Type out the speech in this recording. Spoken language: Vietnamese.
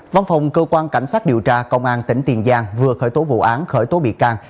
văn phòng cơ quan cảnh sát điều tra công an tp hcm vừa khởi tố vụ án khởi tố bị can